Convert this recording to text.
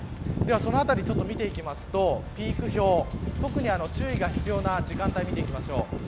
そのあたり見ていきますとピーク表特に注意が必要な時間帯を見ていきましょう。